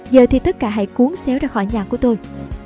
giờ thì tất cả hãy cuốn xéo ra khỏi nhà của tôi